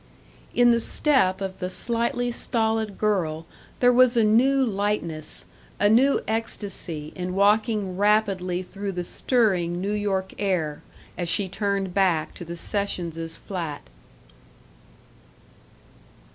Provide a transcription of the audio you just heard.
In the step of the slightly stolid girl there was a new lightness, a new ecstasy in walking rapidly through the stirring New York air, as she turned back to the Sessionses' flat.